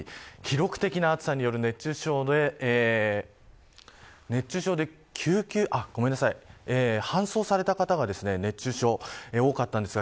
記録的な暑さによる熱中症で搬送された方が多かったんですが